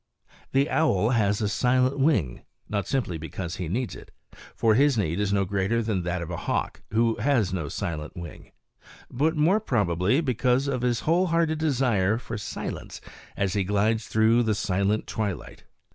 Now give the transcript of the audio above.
The owl has a silent wing, not simply because he needs it for his need is no greater than that of the hawk, who has no silent wing but, more probably, because of his whole hearted desire for silence as he glides through the silent twilight.